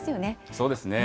そうですね。